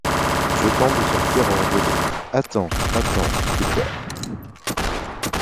Je tente de sortir hors de l’eau — Attends, attends, Fulbert.